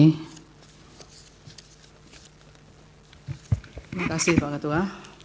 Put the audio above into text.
terima kasih pak ketua